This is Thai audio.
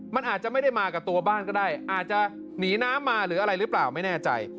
มันอาจจะไม่ได้มากับตัวบ้านก็ได้อาจจะหนีน้ำมาหรืออะไรหรือเปล่าไม่แน่ใจ